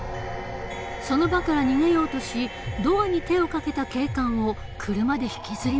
その場から逃げようとしドアに手をかけた警官を車で引きずり回した。